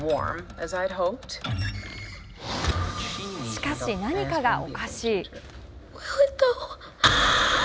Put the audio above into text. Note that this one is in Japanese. しかし、何かがおかしい。